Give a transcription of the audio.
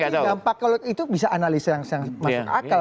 tapi dampak kalau itu bisa analisa yang masuk akal